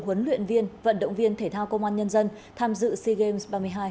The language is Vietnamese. huấn luyện viên vận động viên thể thao công an nhân dân tham dự sea games ba mươi hai